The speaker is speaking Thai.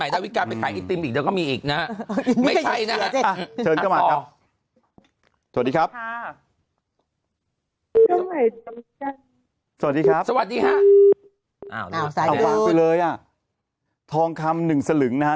สวัสดีครับสวัสดีครับเอาไปเลยอ่ะทองคำหนึ่งสลึงนะฮะ